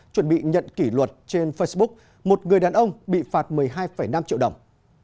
chuẩn bị nhận kỷ luật trên facebook một người đàn ông bị phạt một mươi hai năm triệu đồng